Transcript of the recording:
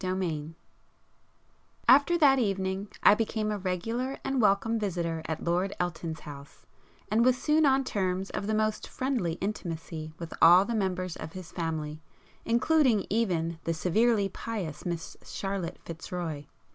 [p 165]XV After that evening I became a regular and welcome visitor at Lord Elton's house, and was soon on terms of the most friendly intimacy with all the members of his family, including even the severely pious Miss Charlotte Fitzroy.